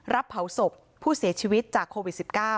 เผาศพผู้เสียชีวิตจากโควิด๑๙